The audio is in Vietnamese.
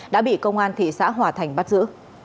đã bị công an thị xã hòa thành bắt giữ